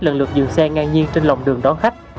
lần lượt dừng xe ngang nhiên trên lòng đường đón khách